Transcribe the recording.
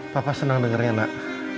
papa senang dengerinnya nak